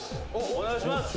「お願いします！」